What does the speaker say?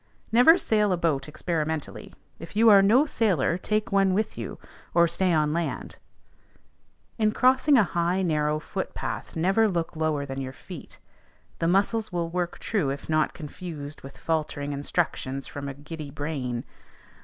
Never sail a boat experimentally: if you are no sailor, take one with you, or stay on land. In crossing a high narrow foot path, never look lower than your feet; the muscles will work true if not confused with faltering instructions from a giddy brain.